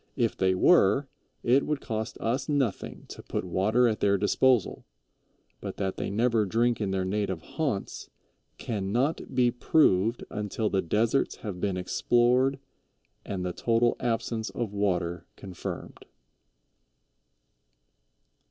If they were, it would cost us nothing to put water at their disposal, but that they never drink in their native haunts "can not be proved until the deserts have been explored and the total absence of water confirmed."